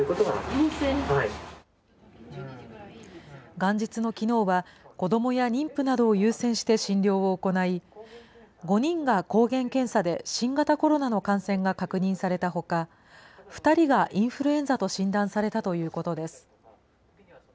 元日のきのうは、子どもや妊婦などを優先して診療を行い、５人が抗原検査で新型コロナの感染が確認されたほか、２人がインフルエンザと診断されたということです。